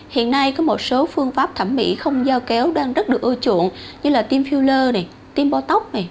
hiện nay có một số phương pháp thẩm mỹ không giao kéo đang rất được ưa chuộng như là tiêm filler tiêm bò tóc